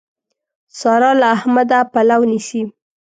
سارا له احمده پلو نيسي.